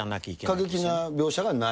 過激な描写がない？